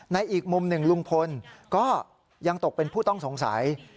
อีกมุมหนึ่งลุงพลก็ยังตกเป็นผู้ต้องสงสัย